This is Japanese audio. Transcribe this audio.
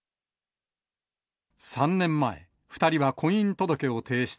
３年前、２人は婚姻届を提出。